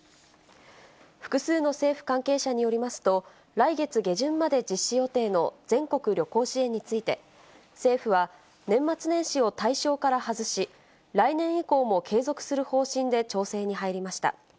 複数の政府関係者によりますと、来月下旬まで実施予定の全国旅行支援について、政府は年末年始を対象から外し、来年以降も継続する方針で調整に入りました。